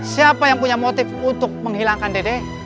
siapa yang punya motif untuk menghilangkan dede